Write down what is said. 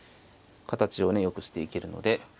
形をねよくしていけるので。